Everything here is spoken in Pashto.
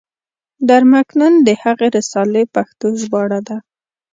در مکنون د هغې رسالې پښتو ژباړه ده.